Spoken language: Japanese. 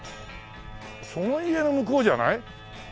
その家の向こうじゃない？